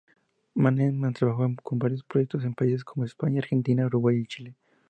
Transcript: Manent trabajó en varios proyectos en países como España, Argentina, Uruguay y Chile.